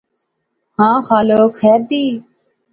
ہاں خالق خیر دی